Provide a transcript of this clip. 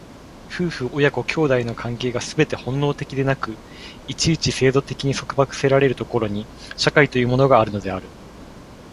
夫婦親子兄弟の関係がすべて本能的でなく、一々制度的に束縛せられる所に、社会というものがあるのである。